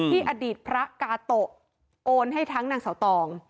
อดีตพระกาโตะโอนให้ทั้งนางเสาตอง